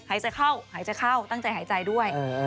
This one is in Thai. หายใจเข้าหายใจเข้าตั้งใจหายใจด้วย